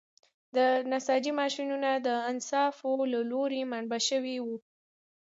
د نساجۍ ماشینونه د اصنافو له لوري منع شوي وو.